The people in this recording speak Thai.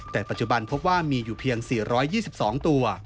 แต่ปัจจุบันมีอยู่เท่า๔๒๒ตัว